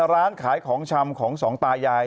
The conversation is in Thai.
ร้านขายของชำของสองตายาย